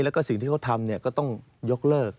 แล้วก็สิ่งที่เขาทำก็ต้องยกเลิก